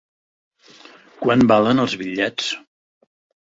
Quant valen els bitllets?